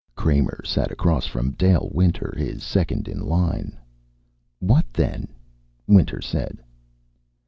Kramer sat across from Dale Winter, his second in line. "What then?" Winter said.